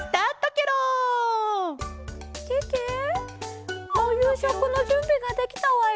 けけおゆうしょくのじゅんびができたわよ。